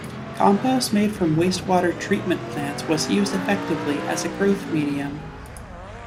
Compost made from wastewater treatment plants was used effectively as a growth medium.